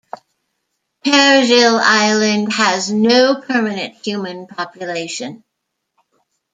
Perejil Island has no permanent human population.